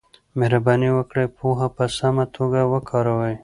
مهرباني وکړئ پوهه په سمه توګه وکاروئ.